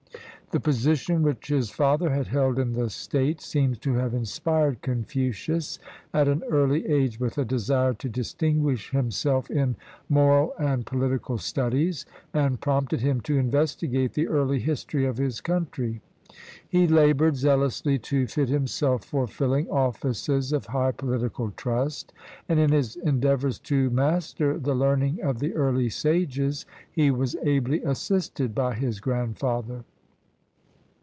'" The position which his father had held in the state seems to have inspired Confucius at an early age with a desire to distinguish himself in moral and pohtical studies, and prompted him to investigate the early history of his country. He labored zealously to fit him self for fiUing offices of high political trust; and in his endeavors to master the learning of the early sages he was ably assisted by his grandfather.